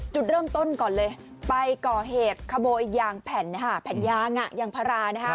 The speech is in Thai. จุดเริ่มต้นก่อนเลยไปก่อเหตุขโมยยางแผ่นยางยางพารานะฮะ